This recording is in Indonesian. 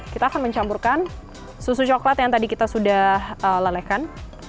kita akan mencampurkan susu coklat yang tadi kita sudah lalekan